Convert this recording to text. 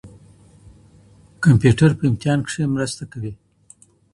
کمپيوټر په امتحان کښي مرسته کوي.